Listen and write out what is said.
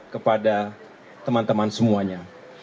kepada teman teman semuanya